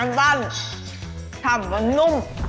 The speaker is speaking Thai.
อันตันถ่ำมันนุ่ม